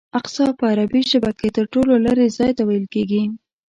اقصی په عربي ژبه کې تر ټولو لرې ځای ته ویل کېږي.